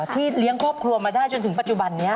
เลี้ยงครอบครัวมาได้จนถึงปัจจุบันนี้